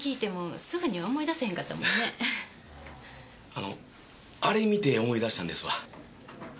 あのあれ見て思い出したんですわ。